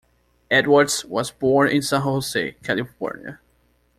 Edwards was born in San Jose, California.